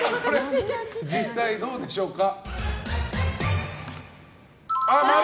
実際どうでしょうか。